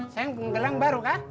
sayang penggelang baru kan